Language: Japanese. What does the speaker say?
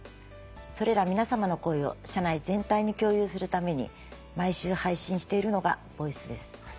それら皆さまの声を社内全体に共有するために毎週配信しているのがＶＯＩＣＥです。